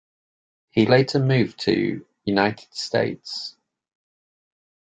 He later moved to United States.